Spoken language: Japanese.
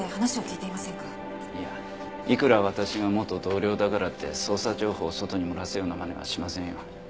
いやいくら私が元同僚だからって捜査情報を外に漏らすようなまねはしませんよ。